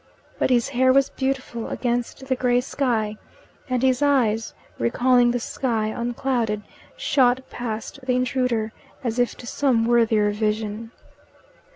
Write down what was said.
But his hair was beautiful against the grey sky, and his eyes, recalling the sky unclouded, shot past the intruder as if to some worthier vision.